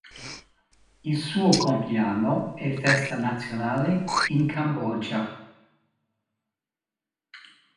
Il suo compleanno è festa nazionale in Cambogia.